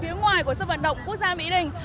phía ngoài của sân vận động quốc gia mỹ đình